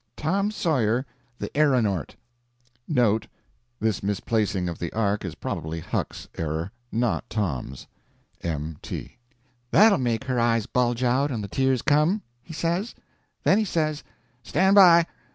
* "TOM SAWYER THE ERRONORT" * This misplacing of the Ark is probably Huck's error, not Tom's.—M.T. "That'll make her eyes bulge out and the tears come," he says. Then he says: "Stand by!